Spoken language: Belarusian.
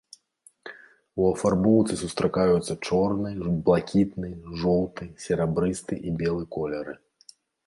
У афарбоўцы сустракаюцца чорны, блакітны, жоўты, серабрысты і белы колеры.